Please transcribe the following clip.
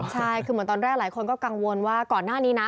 ใช่คือเหมือนตอนแรกหลายคนก็กังวลว่าก่อนหน้านี้นะ